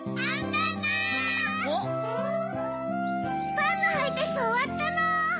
パンのはいたつおわったの！